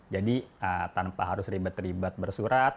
jadi tanpa harus ribet ribet bersurat